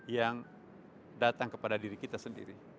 yang datang kepada diri kita sendiri